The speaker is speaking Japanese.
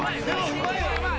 うまいわ。